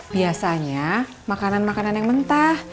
biasanya makanan makanan yang mentah